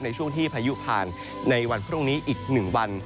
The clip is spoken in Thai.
ในช่วงที่พายุผ่านในวันพรุ่งนี้อีก๑วัน